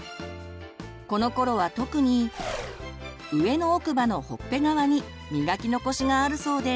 このころは特に上の奥歯のほっぺ側に磨き残しがあるそうです。